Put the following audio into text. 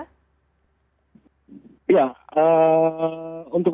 untuk pihak keluarga ya